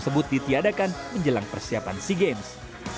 tersebut ditiadakan menjelang persiapan sea games